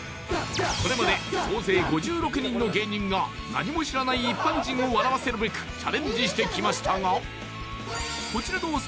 ［これまで総勢５６人の芸人が何も知らない一般人を笑わせるべくチャレンジしてきましたがこちらの］